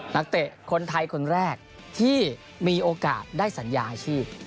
เตะคนไทยคนแรกที่มีโอกาสได้สัญญาอาชีพ